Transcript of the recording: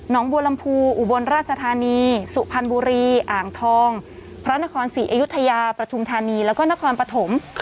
บัวลำพูอุบลราชธานีสุพรรณบุรีอ่างทองพระนครศรีอยุธยาปฐุมธานีแล้วก็นครปฐม